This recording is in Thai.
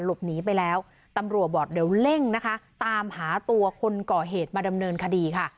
หลบหนีไปแล้วตำรวจบอกเดี๋ยวเร่งนะคะตามหาตัวคนก่อเหตุมาดำเนินคดีค่ะ